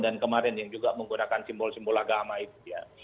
dan kemarin yang juga menggunakan simbol simbol agama itu